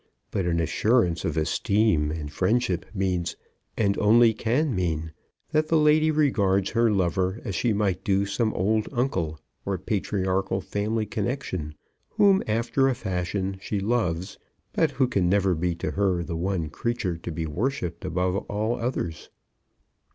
But an assurance of esteem and friendship means, and only can mean, that the lady regards her lover as she might do some old uncle or patriarchal family connection, whom, after a fashion, she loves, but who can never be to her the one creature to be worshipped above all others.